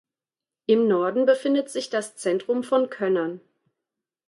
Im Norden befindet sich das Zentrum von Könnern.